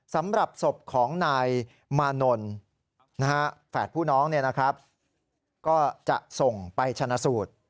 สำหรับสบของนายมานนนนะฮะแฝดผู้น้องเนี่ยนะครับก็จะส่งไปชนะสูตร